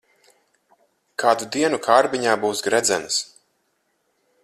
Kādu dienu kārbiņā būs gredzens.